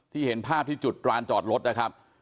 เห็นภาพที่จุดร้านจอดรถนะครับ